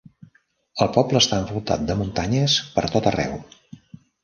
El poble està envoltat de muntanyes per tot arreu.